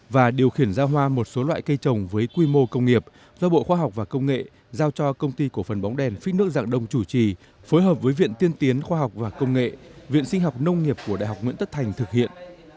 và điều khiển ra hoa một số loại cây trồng với quy mô công nghiệp do bộ khoa học và công nghệ giao cho công ty cổ phần bóng đèn phích nước giảng đông chủ trì phối hợp với viện tiên tiến khoa học và công nghệ viện sinh học nông nghiệp của đại học nguyễn tất thành thực hiện